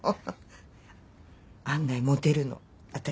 案外モテるの私。